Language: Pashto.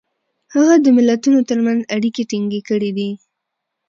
هغه د ملتونو ترمنځ اړیکې ټینګ کړي دي.